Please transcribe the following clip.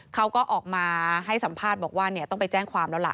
เขาก็ออกมาให้สัมภาษณ์บอกว่าต้องไปแจ้งความแล้วล่ะ